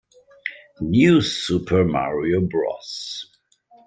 New Super Mario Bros.